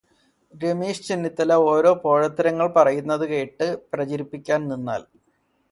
രമേശ് ചെന്നിത്തല ഓരോ പോഴത്തരങ്ങൾ പറയുന്നത് കേട്ട് പ്രചരിപ്പിക്കാൻ നിന്നാൽ